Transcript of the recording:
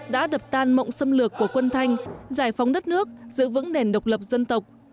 đã đập tan mộng xâm lược của quân thanh giải phóng đất nước giữ vững nền độc lập dân tộc